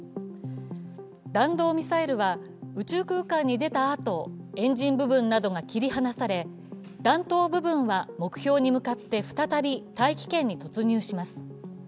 弾道ミサイルは宇宙空間に出たあと、エンジンんなどが切り離され、弾頭部分は、目標に向かって再び大気圏に突入します。